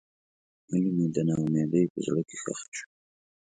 هیلې مې د نا امیدۍ په زړه کې ښخې شوې.